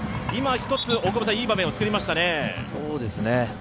今１つ、いい場面を作りましたね。